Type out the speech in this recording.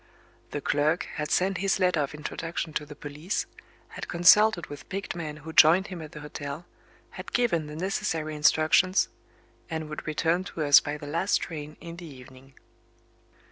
The clerk had sent his letter of introduction to the police had consulted with picked men who joined him at the hotel had given the necessary instructions and would return to us by the last train in the evening.